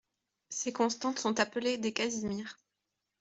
Ces constantes sont appelées des Casimirs